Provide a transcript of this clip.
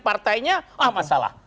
partainya ah masalah